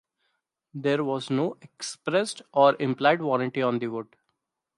There was no expressed or implied warranty on the wood.